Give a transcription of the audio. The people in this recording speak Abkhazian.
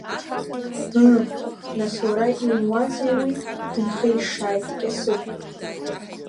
Ыы, нас уара иумуазеи уи, дынхеишшааит икьасыгә.